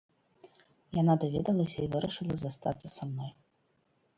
Яна даведалася і вырашыла застацца са мной.